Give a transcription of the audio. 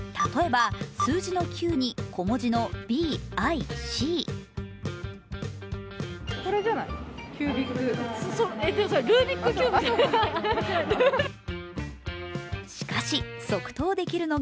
例えば、数字の「９」に小文字のｂ、ｉ、ｃ。